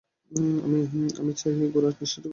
আমি চাই গোঁড়ার নিষ্ঠাটুকু ও তাহার সহিত জড়বাদীর উদার ভাব।